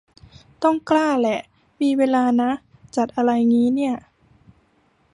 ต้องกล้าและมีเวลานะ จัดอะไรงี้เนี่ย